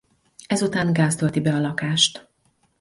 Ezután gáz tölti be a lakást.